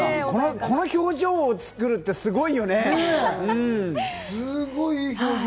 この表情を作るってすごいよね。